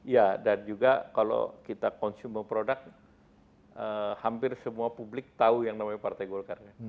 ya dan juga kalau kita consumer produk hampir semua publik tahu yang namanya partai golkar